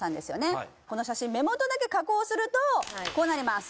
はいはいこの写真目元だけ加工するとこうなります